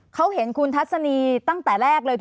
เขาเห็นคุณทัศนีตั้งแต่แรกเลย